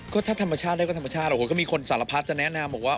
ก็ถ้าธรรมชาติได้ก็ธรรมชาติโอ้โหก็มีคนสารพัดจะแนะนำบอกว่า